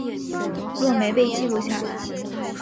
若没被记录下来